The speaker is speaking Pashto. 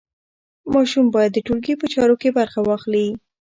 ماشوم باید د ټولګي په چارو کې برخه واخلي.